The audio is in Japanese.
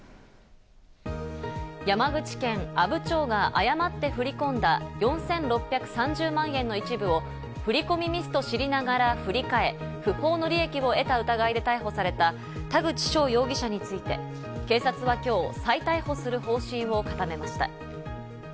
山口県阿武町が誤って振り込んだ４６３０万円の一部を振り込みミスと知りながら振り替え、不法の利益を得た疑いで逮捕された田口翔容疑者について、警察は今日、再逮捕する方針を固めました。